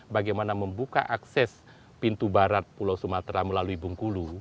bagaimana membuka akses pintu barat pulau sumatera melalui bengkulu